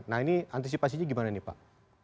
nah ini antisipasinya gimana nih pak